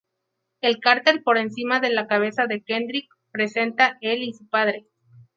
El cartel por encima de la cabeza de Kendrick presenta el y su padre.